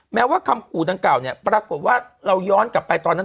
แม้ว่าคำขู่ดังกล่าวเนี่ยปรากฏว่าเราย้อนกลับไปตอนนั้น